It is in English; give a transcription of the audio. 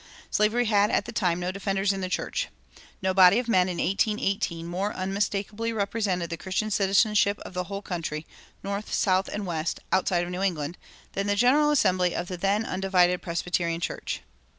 Slavery had at that time no defenders in the church. No body of men in 1818 more unmistakably represented the Christian citizenship of the whole country, North, South, and West, outside of New England, than the General Assembly of the then undivided Presbyterian Church.